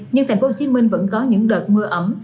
nhưng tp hcm vẫn có những đợt mưa ấm